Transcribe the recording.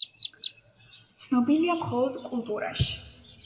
ცნობილია მხოლოდ კულტურაში.